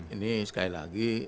ini sekali lagi